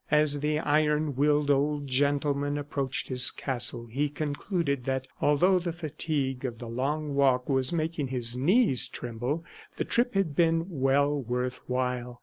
As the iron willed old gentleman approached his castle he concluded that, although the fatigue of the long walk was making his knees tremble, the trip had been well worth while.